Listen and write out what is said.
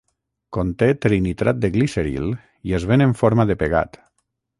Conté trinitrat de gliceril i es ven en forma de pegat.